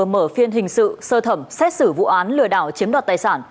tùng vừa mở phiên hình sự sơ thẩm xét xử vụ án lừa đảo chiếm đoạt tài sản